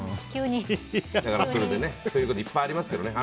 そういうこといっぱいありますからね。